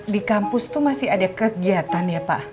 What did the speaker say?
di kampus itu masih ada kegiatan ya pak